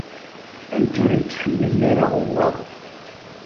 Anta ur yettḥemmilen ara aɣewwaɣ?